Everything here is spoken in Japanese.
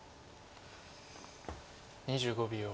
２５秒。